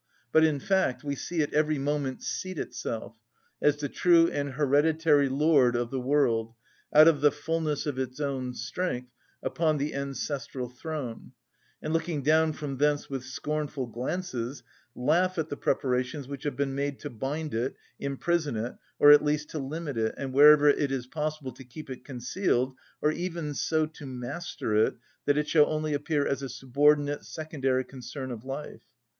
But, in fact, we see it every moment seat itself, as the true and hereditary lord of the world, out of the fulness of its own strength, upon the ancestral throne, and looking down from thence with scornful glances, laugh at the preparations which have been made to bind it, imprison it, or at least to limit it and wherever it is possible to keep it concealed, or even so to master it that it shall only appear as a subordinate, secondary concern of life.